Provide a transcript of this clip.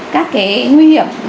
các cái nguy hiểm